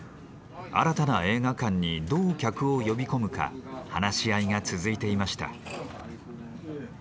新たな映画館にどう客を呼び込むか話し合いが続いていました。